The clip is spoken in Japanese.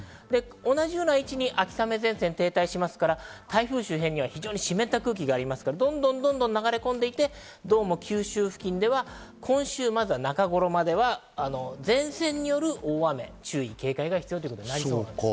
同じような位置に秋雨前線が停滞しますから台風周辺には非常に湿った空気がありますから、どんどん流れ込んで、九州付近では今週中頃までは前線による大雨に注意警戒が必要です。